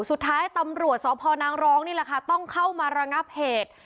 สุดท้ายตำรวจสพนางรองนี่แหละค่ะต้องเข้ามาระงับเหตุ